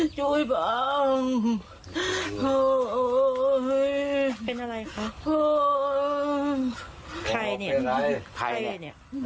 โอ้โฮเป็นอะไรใครเนี่ยใครใคร